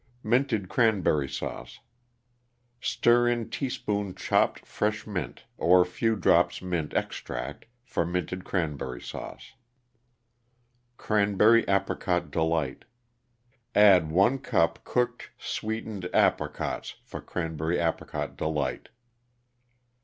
=Minted Cranberry Sauce.= Stir in teaspoon chopped fresh mint or few drops mint extract for Minted Cranberry Sauce. =Cranberry Apricot Delight.= Add 1 cup cooked sweetened apricots for Cranberry Apricot Delight.